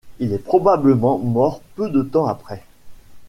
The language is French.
Il est probablement mort peu de temps après.